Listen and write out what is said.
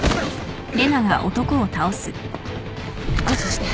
安心して。